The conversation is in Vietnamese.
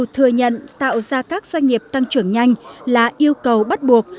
thừa nhận tạo ra các doanh nghiệp tăng trưởng nhanh là yêu cầu bắt buộc